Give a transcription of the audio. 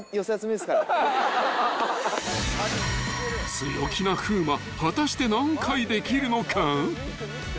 ［強気な風磨果たして何回できるのか］